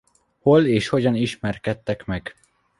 Hol és hogyan ismerkedtek meg?